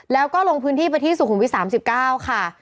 แล้วก็ลงพื้นที่ไปที่สุขุมวิท๓๙ค่ะ